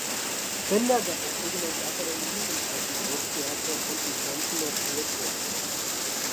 Benda gab auch sogenannte Akademien im alten Burgtheater und im Kärntnertor-Theater.